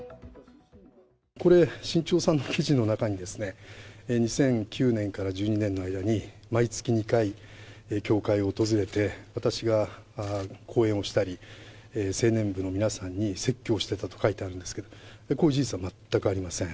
これ、新潮さんの記事の中に、２００９年から１２年の間に毎月２回、教会を訪れて、私が講演をしたり、青年部の皆さんに説教していたとか書いてあるんですけど、こういう事実は全くありません。